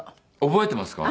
覚えていますか？